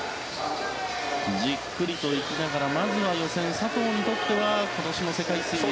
じっくりと行きながらまずは予選、佐藤にとっては今年の世界水泳